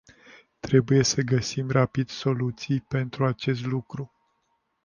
Trebuie să găsim rapid soluții pentru acest lucru.